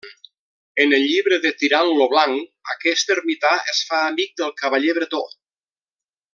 En el llibre de Tirant lo Blanc, aquest ermità es fa amic del cavaller bretó.